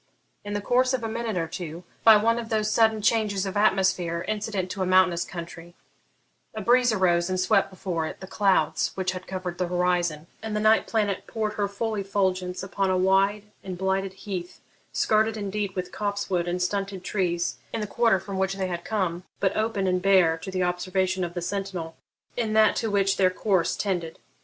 In the course of a minute or two, by one of those sudden changes of atmosphere incident to a mountainous country, a breeze arose and swept before it the clouds which had covered the horizon, and the night planet poured her full effulgence upon a wide and blighted heath, skirted indeed with copse wood and stunted trees in the quarter from which they had come, but open and bare to the observation of the sentinel in that to which their course tended.